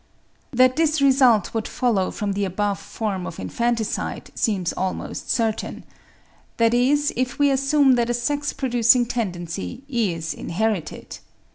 That this result would follow from the above form of infanticide seems almost certain; that is if we assume that a sex producing tendency is inherited.